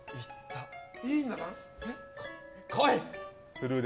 スルー！